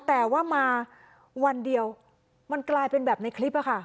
แต่ว่ามาวันเดียวมันกลายเป็นแบบในคลิปอะค่ะ